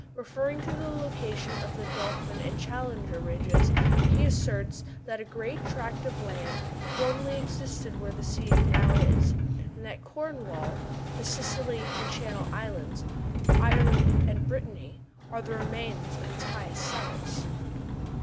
Referring to the location of the "Dolphin" and "Challenger" ridges, he asserts that "a great tract of land formerly existed where the sea now is, and that Cornwall, the Scilly and Channel Islands, Ireland and Brittany, are the remains of its highest summits."